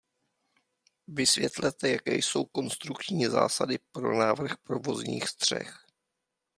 Vysvětlete, jaké jsou konstrukční zásady pro návrh provozních střech.